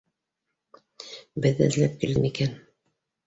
Беҙҙе эҙләп килде микән